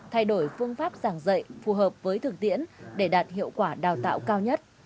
thay đổi phương pháp giảng dạy phù hợp với thực tiễn để đạt hiệu quả đào tạo cao nhất